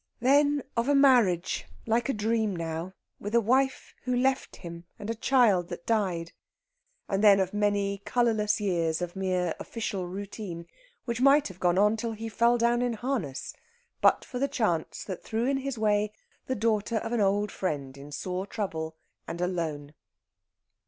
Then of a marriage, like a dream now, with a wife who left him and a child that died; and then of many colourless years of mere official routine, which might have gone on till he fell down in harness, but for the chance that threw in his way the daughter of an old friend in sore trouble and alone.